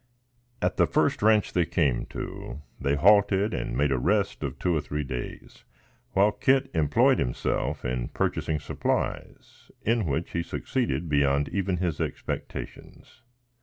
At the first ranche they came to, they halted and made a rest of two or three days, while Kit employed himself in purchasing supplies, in which he succeeded beyond even his expectations.